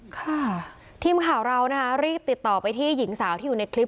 ค่ะทีมข่าวเรานะคะรีบติดต่อไปที่หญิงสาวที่อยู่ในคลิป